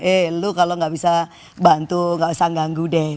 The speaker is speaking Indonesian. eh lu kalau tidak bisa bantu tidak usah mengganggu deh